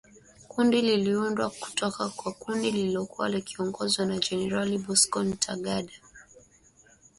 Kundi liliundwa kutoka kwa kundi lililokuwa likiongozwa na Generali Bosco Ntaganda.